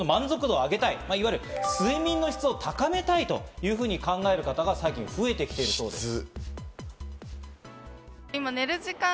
満足度を上げたい、睡眠の質を高めたいというふうに考える方が最近増えてきているそうです。